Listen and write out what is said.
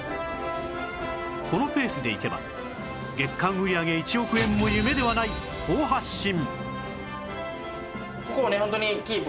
このペースでいけば月間売り上げ１億円も夢ではない好発進